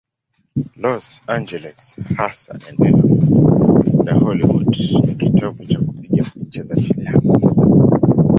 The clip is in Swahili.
Los Angeles, hasa eneo la Hollywood, ni kitovu cha kupiga picha za filamu.